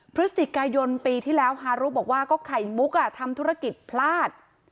พฤศจิกายนปีที่แล้วฮารุบอกว่าก็ไข่มุกทำธุรกิจพลาด